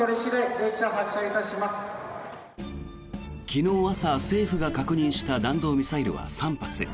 昨日朝、政府が確認した弾道ミサイルは３発。